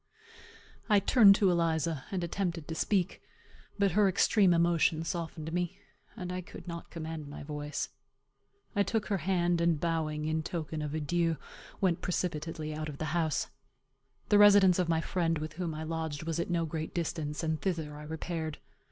I turned to Eliza, and attempted to speak; but her extreme emotion softened me, and I could not command my voice. I took her hand, and bowing, in token of an adieu, went precipitately out of the house. The residence of my friend, with whom I lodged, was at no great distance, and thither I repaired.